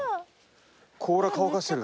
甲羅乾かしてる。